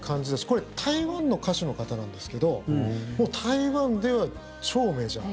これ台湾の歌手の方なんですけど台湾では超メジャー。